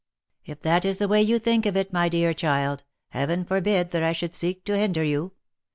" If that is the way you think of it, my dear child, Heaven forbid that I should seek to hinder you.